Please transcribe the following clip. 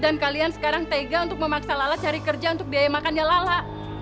dan kalian sekarang tega untuk memaksa lala cari kerja untuk biaya makannya lala